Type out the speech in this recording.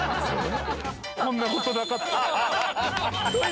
こんな事なかった。